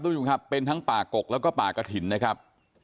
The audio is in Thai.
ต้องมีคุณค่ะเป็นทั้งป่ากกแล้วก็ป่ากระถิ่นนะครับ